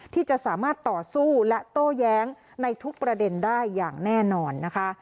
ที่จะสามารถต่อสู้และโต้แย้งในทุกประเด็นได้อย่างแน่นอนนะคะ